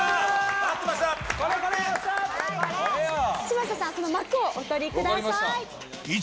嶋佐さんその幕をお取りください。